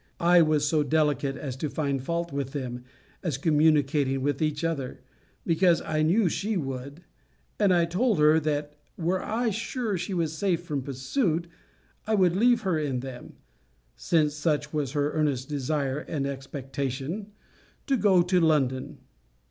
I was so delicate as to find fault with them, as communicating with each other, because I knew she would; and told her, that were I sure she was safe from pursuit, I would leave her in them, (since such was her earnest desire and expectation,) and go to London.